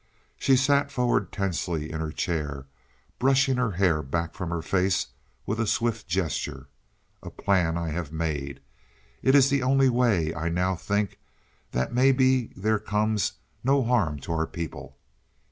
She sat forward tensely in her chair, brushing her hair back from her face with a swift gesture. "A plan I have made. It is the only way I now think that may be there comes no harm to our people.